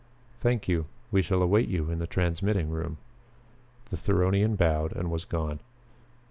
"Thank you. We shall await you in the transmitting room." The Theronian bowed and was gone.